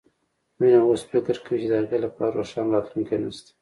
مينه اوس فکر کوي چې د هغې لپاره روښانه راتلونکی نه شته